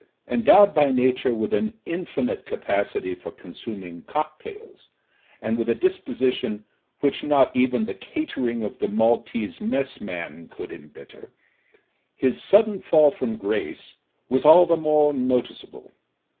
Endowed by Nature with an infinite ca pacity for consuming cocktails, and with a disposition which not even the catering of the Maltese mess man could embitter, his sudden fall from grace was all the more noticeable.